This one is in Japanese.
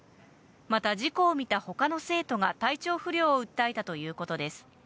また、事故を見たほかの生徒が体調不良を訴えたということです。